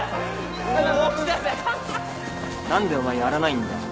何でお前やらないんだよ